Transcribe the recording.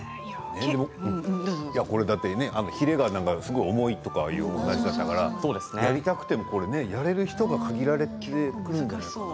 これだってひれがすごく重いとかいう話だったからやりたくてもやれる人が限られてくるんじゃない？